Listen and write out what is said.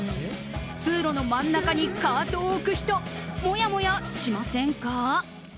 通路の真ん中にカートを置く人もやもやしませんか？